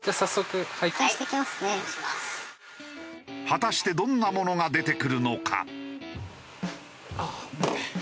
果たしてどんなものが出てくるのか？